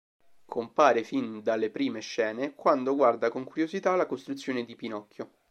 Compare fin dalle prime scene, quando guarda con curiosità la costruzione di Pinocchio.